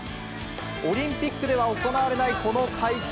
オリンピックでは行われないこの階級。